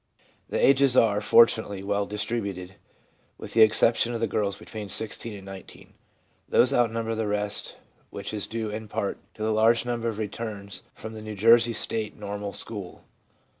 The ages are, fortunately, well distributed, with the exception of the girls between 16 and 19. These outnumber the rest, which is due, in part, to the large number of returns from the New Jersey State Normal School.